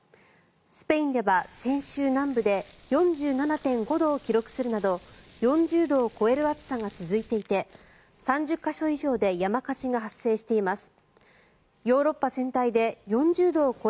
スペインでは先週、南部で４７．５度を記録するなど４０度を超える暑さが続いていて３０か所以上で山火事が発生しています。